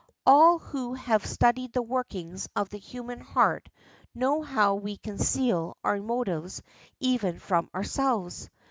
All who have studied the workings of the human heart know how we conceal our motives even from ourselves.